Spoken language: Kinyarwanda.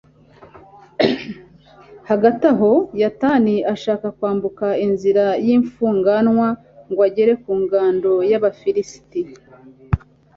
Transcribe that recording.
hagati aho, yonatani ashaka kwambuka inzira y'imfunganwa ngo agere ku ngando y'abafilisiti